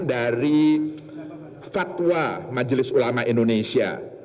dari fatwa majelis ulama indonesia